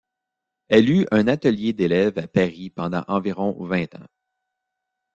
Elle eut un atelier d'élèves à Paris pendant environ vingt ans.